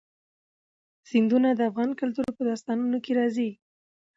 سیندونه د افغان کلتور په داستانونو کې راځي.